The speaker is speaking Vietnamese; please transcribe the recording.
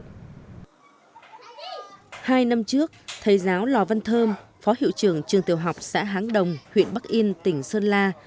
hai năm trước thầy giáo lò văn thơm phó hiệu trưởng trường tiểu học xã háng đồng huyện bắc yên tỉnh sơn la